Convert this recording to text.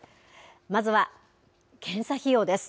まずは、検査費用です。